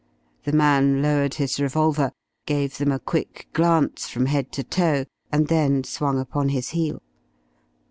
The man lowered his revolver, gave them a quick glance from head to toe, and then swung upon his heel.